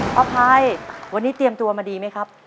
พระภัยวันนี้เตรียมตัวมาดีไหมครับ